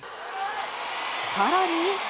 さらに。